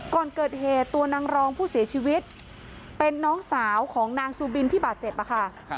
ก่อนเกิดเหตุตัวนางรองผู้เสียชีวิตเป็นน้องสาวของนางซูบินที่บาดเจ็บค่ะ